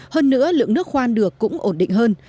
hơn nữa lượng nước khoan được cũng ổn định hơn